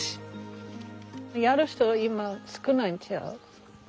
やる人今少ないんちゃう？